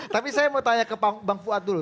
tapi saya mau tanya ke bang fuad dulu